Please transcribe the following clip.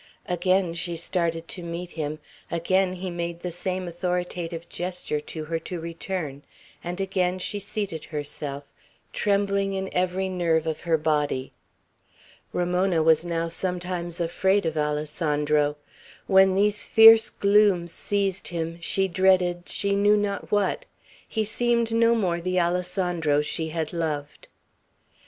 Again she started to meet him; again he made the same authoritative gesture to her to return; and again she seated herself, trembling in every nerve of her body. Ramona was now sometimes afraid of Alessandro. When these fierce glooms seized him, she dreaded, she knew not what. He seemed no more the Alessandro she had loved.